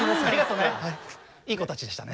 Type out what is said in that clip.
いい子たちでしたね。